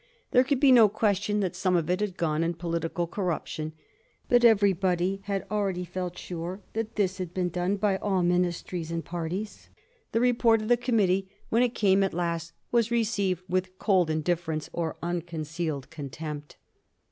There could be no question that some of it had gone in political corruption. But everybody had already felt sure that this had been done by all ministries and parties. The report of the committee, when it came at last, was received with cold indifference or unconcealed contempt.